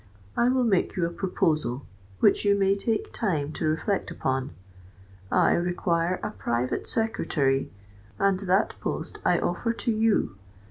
I will make you a proposal, which you may take time to reflect upon. I require a private secretary: and that post I offer to you.